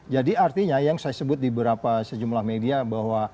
jadi artinya yang saya sebut di sejumlah media bahwa